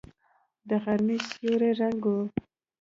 د غرمې سیوری ړنګ و.